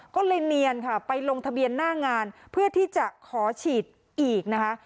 ก็เลยเนียนค่ะไปลงทะเบียนหน้างานเพื่อที่จะขอฉีดอีกนะคะ